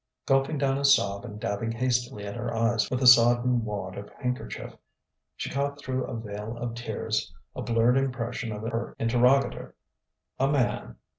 Gulping down a sob and dabbing hastily at her eyes with a sodden wad of handkerchief, she caught through a veil of tears a blurred impression of her interrogator. A man....